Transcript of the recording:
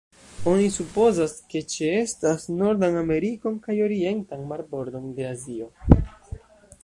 Oni supozas, ke ĉeestas Nordan Amerikon kaj la orientan marbordon de Azio.